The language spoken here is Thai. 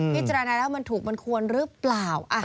พิจารณาแล้วมันถูกมันควรหรือเปล่า